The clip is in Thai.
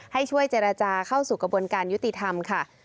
ให้ช่วยเจรจาเข้าสู่กระบวนการยุติธรรมค่ะ